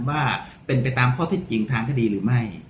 ว่าเป็นไปตามข้อเท็จจริงทางคดีหรือไม่